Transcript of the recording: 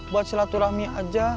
buat silaturahmi aja